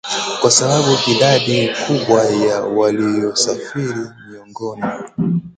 kwa sababu idadi kubwa ya waliofariki ni miongoni